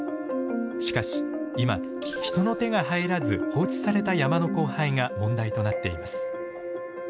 しかし今人の手が入らず放置された山の荒廃が問題となっています。